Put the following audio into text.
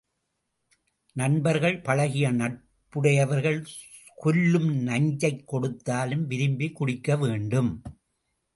நண்பர்கள், பழகிய நட்புடையவர்கள் கொல்லும் நஞ்சைக் கொடுத்தாலும் விரும்பிக் குடிக்கவேண்டும்.